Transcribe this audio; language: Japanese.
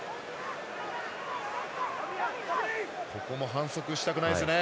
反則したくないですね。